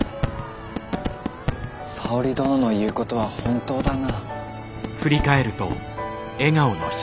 沙織殿の言うことは本当だな。